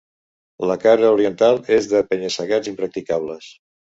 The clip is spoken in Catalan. La cara oriental és de penya-segats impracticables.